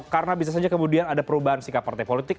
karena bisa saja kemudian ada perubahan sikap partai politik